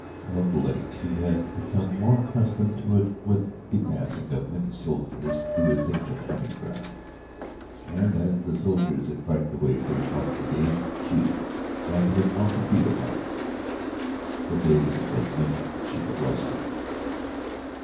Of late he had become more accustomed to it with the passing of many soldiers through his ancient hunting ground, and as the soldiers had frightened away a great part of the game Sheeta had been wont to feed upon, the days had been lean, and Sheeta was hungry.